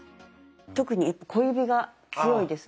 特に小指が強いですね。